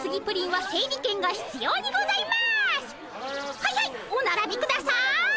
はいはいおならびください。